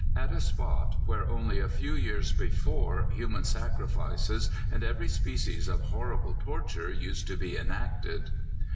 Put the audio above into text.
at a spot where only a few years before human sacrifices and every species of horrible torture used to be enacted.